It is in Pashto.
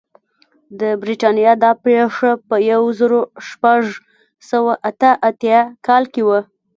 د برېټانیا دا پېښه په یو زرو شپږ سوه اته اتیا کال کې وه.